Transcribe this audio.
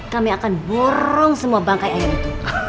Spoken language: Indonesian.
kami akan borong semua bangkai ayam itu